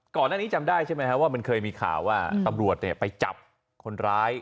ก่อนหน้านี้จำได้ใช่ไหมครับว่ามันเคยมีข่าวว่าตำรวจไปจับคนร้าย